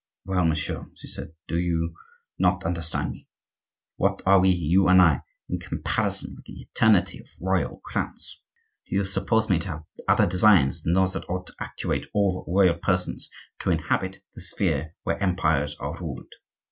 "Well, monsieur," she said, "do you not understand me? What are we, you and I, in comparison with the eternity of royal crowns? Do you suppose me to have other designs than those that ought to actuate all royal persons who inhabit the sphere where empires are ruled?"